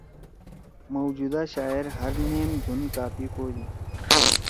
موجودہ شاعر ہر نیم دُھن کاپی کودی۔